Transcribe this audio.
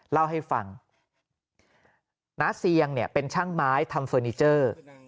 เล่าให้ฟังน้าเซียงเนี่ยเป็นช่างไม้ทำเฟอร์นิเจอร์